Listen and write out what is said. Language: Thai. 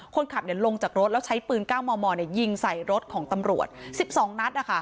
คนขับลงจากรถแล้วใช้ปืน๙มมยิงใส่รถของตำรวจ๑๒นัด